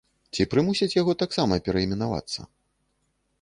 Ці прымусяць яго таксама перайменавацца?